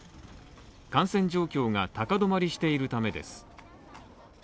感染状況が高止まりしているためです。